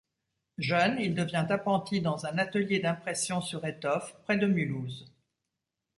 Jeune, il devient apprenti dans un atelier d'impression sur étoffe près de Mulhouse.